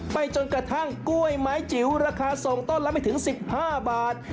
ไปจนกระทั่งกล้วยไม้จิ๋วราคาส่งต้นละไม่ถึง๑๕บาท